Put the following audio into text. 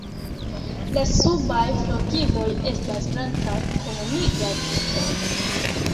La subaj flugiloj estas blankaj kun nigraj pintoj.